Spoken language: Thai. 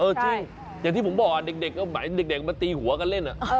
เออจริงอย่างที่ผมบอกอ่ะเด็กมาตีหัวกันเล่นอ่ะ